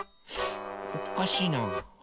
おかしいな。